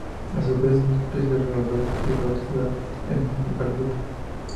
A su vez, una especie de roedores fue bautizada en honor al grupo.